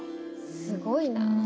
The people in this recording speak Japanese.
すごいなあ。